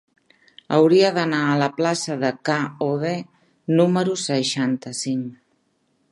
Hauria d'anar a la plaça de K-obe número seixanta-cinc.